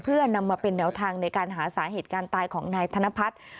เพื่อนำมาเป็นแนวทางในการหาสาเหตุการณ์ตายของนายธนพัฒน์